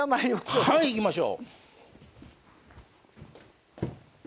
はい行きましょう。